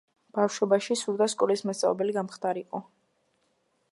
ბავშვობაში სურდა სკოლის მასწავლებელი გამხდარიყო.